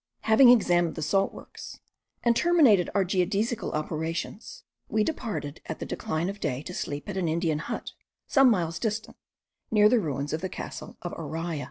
Having examined the salt works, and terminated our geodesical operations, we departed at the decline of day to sleep at an Indian hut, some miles distant, near the ruins of the castle of Araya.